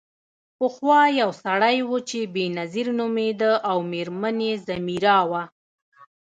پخوا یو سړی و چې بینظیر نومیده او میرمن یې ځمیرا وه.